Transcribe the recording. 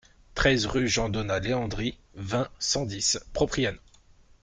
treize rue Jean Donat Leandri, vingt, cent dix, Propriano